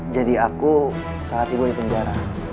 jadi aku saat ibu di penjara